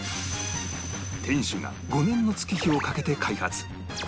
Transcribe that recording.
店主が５年の月日をかけて開発